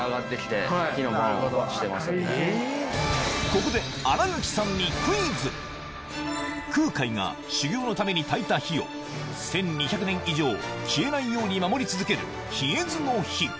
ここで空海が修行のために焚いた火を１２００年以上消えないように守り続ける「消えずの火」